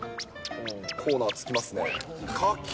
コーナーを突きますね。